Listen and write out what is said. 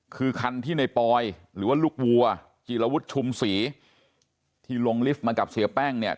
คือคันที่ในปอยหรือว่าลูกวัวจีรวุฒิชุมศรีที่ลงลิฟต์มากับเสียแป้งเนี่ย